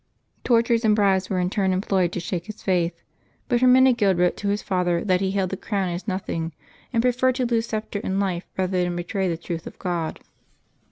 Tortures and bribes were in turn employed to shake his faith, but Hermenegild wrote to his father that he held the crown as nothing, and preferred to lose sceptre and life rather than betray the truth of God.